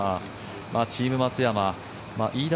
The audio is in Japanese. チーム松山飯田